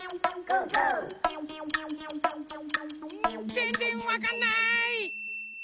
ぜんぜんわかんない！